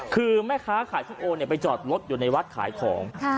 คือแม่ค้าขายส้มโอไปจอดรถอยู่ในวัดขายของ